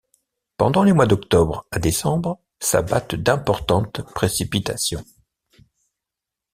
Pendant les mois d'octobre à décembre s'abattent d'importantes précipitations.